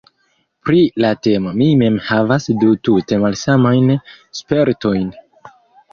Pri la temo mi mem havas du tute malsamajn spertojn.